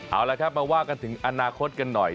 เอาละครับมาว่ากันถึงอนาคตกันหน่อย